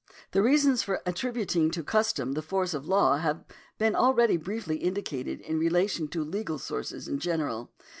The reasons for attributing to custom the force of law have been alreadj'^ briefly indicated in relation to legal sources in general.